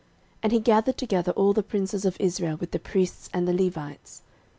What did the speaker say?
13:023:002 And he gathered together all the princes of Israel, with the priests and the Levites.